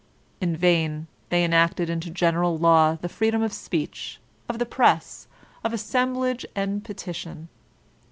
In vain they enacted into general law the freedom of speech, of the prcss» of assemblage and petition.